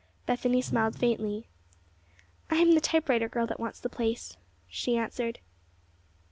Bethany smiled faintly. "I am the typewriter girl that wants the place," she answered.